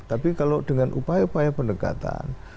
tapi kalau dengan upaya upaya pendekatan